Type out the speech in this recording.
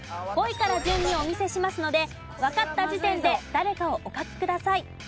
５位から順にお見せしますのでわかった時点で誰かをお書きください。